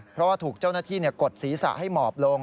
เพราะว่าถูกเจ้าหน้าที่กดศีรษะให้หมอบลง